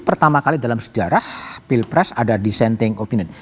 pertama kali dalam sejarah pilpres ada dissenting opinion